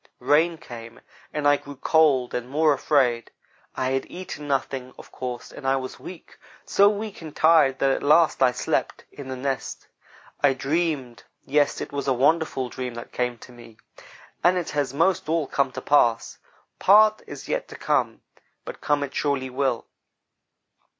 Rain came, and I grew cold and more afraid. I had eaten nothing, of course, and I was weak so weak and tired, that at last I slept, in the nest. I dreamed; yes, it was a wonderful dream that came to me, and it has most all come to pass. Part is yet to come. But come it surely will.